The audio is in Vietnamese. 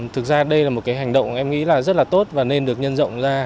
thực ra đây là một cái hành động em nghĩ là rất là tốt và nên được nhân rộng ra